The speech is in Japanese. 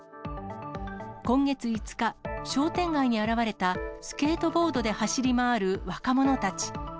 今月５日、商店街に現れた、スケートボードで走り回る若者たち。